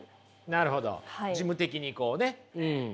なるほど事務的にこうね。